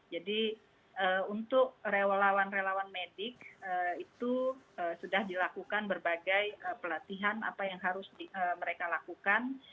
jadi untuk relawan relawan medis itu sudah dilakukan berbagai pelatihan apa yang harus mereka lakukan